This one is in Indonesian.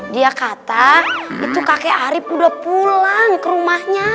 dia kata itu kakek arief udah pulang ke rumahnya